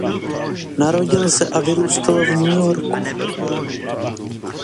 Narodil se a vyrůstal v New Yorku.